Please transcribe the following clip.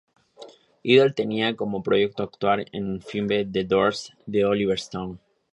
Idol tenía como proyecto actuar en el filme "The Doors" de Oliver Stone.